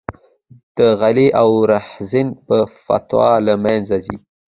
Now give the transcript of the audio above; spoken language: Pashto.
د غله او رحزن په فتوا له منځه ځي.